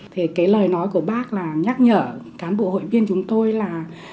thì cái lời nói của bác là nhắc nhở cán bộ hội viên chúng tôi là